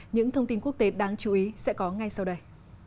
những thông tin quốc tế đáng chú ý sẽ có ngay sau đây